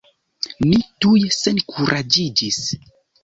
Mi tuj senkuraĝiĝis.